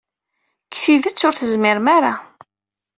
Deg tidet, ur tezmirem ara.